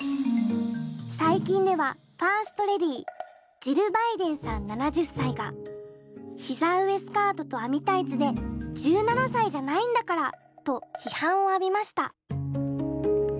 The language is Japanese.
最近ではファーストレディージル・バイデンさん７０歳が膝上スカートと網タイツでと批判を浴びました。